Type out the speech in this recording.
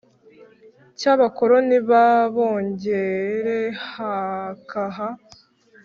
cy abakoloni b AbongereHakha